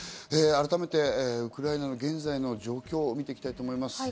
改めてウクライナの現在の状況を見ていきたいと思います。